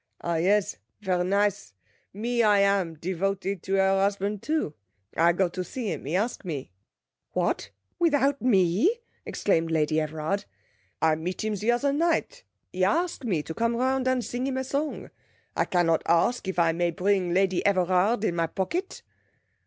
'Oh yes, ver' nice. Me, I am devoted to 'er husband too. I go to see him. He ask me.' 'What, without me?' exclaimed Lady Everard. 'I meet him the other night. He ask me to come round and sing him a song. I cannot ask if I may bring Lady Everard in my pocket.'